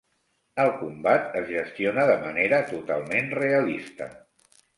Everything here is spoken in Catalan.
El combat es gestiona de manera totalment realista.